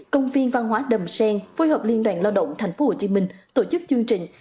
công viên văn hóa đầm sen phối hợp liên đoàn lao động tp hcm tổ chức chương trình